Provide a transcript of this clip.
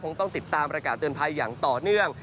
ต้องติดตามประกาศเตือนภัยอย่างต่อเนื่อง